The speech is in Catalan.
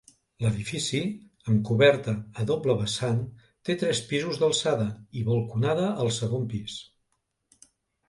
L'edifici, amb coberta a doble vessant, té tres pisos d'alçada, i balconada al segon pis.